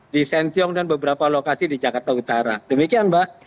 di sentiong dan beberapa lokasi di jakarta utara demikian mbak